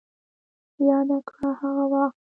ياده کړه هغه وخت